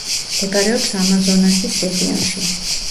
მდებარეობს ამაზონასის რეგიონში.